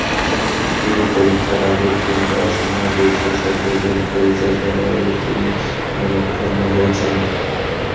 শুধু পরীক্ষার আগের দিন পড়াশোনা রেখে সজলের খেলতে যাওয়ায় তিনি মনঃক্ষুণ্ন হয়েছেন।